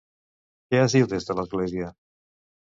Què es diu des de l'església?